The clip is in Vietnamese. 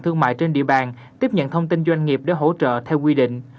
thương mại trên địa bàn tiếp nhận thông tin doanh nghiệp để hỗ trợ theo quy định